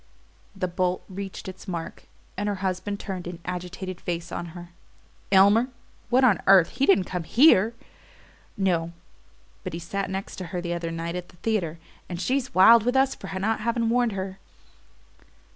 The bolt reached its mark, and her husband turned an agitated face on her. "Elmer? What on earth he didn't come HERE?" "No; but he sat next to her the other night at the theatre, and she's wild with us for not having warned her."